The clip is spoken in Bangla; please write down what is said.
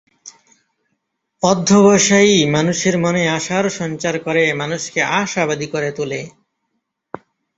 অধ্যবসায়ই মানুষের মনে আশার সঞ্চার করে মানুষকে আশাবাদী করে তোলে।